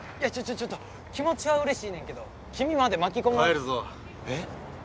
ちょっと気持ちはうれしいねんけど君まで巻き込む帰るぞえっ？